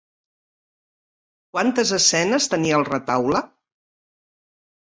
Quantes escenes tenia el retaule?